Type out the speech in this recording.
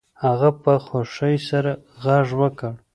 هغه په خوښۍ سره غږ وکړ